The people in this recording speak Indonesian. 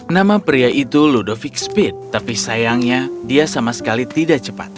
nama pria itu ludovic speed tapi sayangnya dia sama sekali tidak cepat